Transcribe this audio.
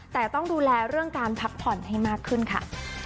แต่ต้องดูแลเรื่องการพักผ่อนให้มากขึ้นค่ะ